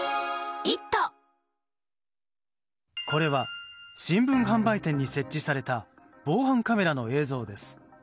これは新聞販売店に設置された防犯カメラの映像です。